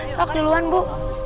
sok duluan ibu